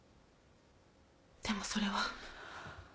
でもそれは。